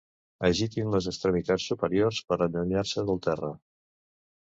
Agitin les extremitats superiors per allunyar-se del terra.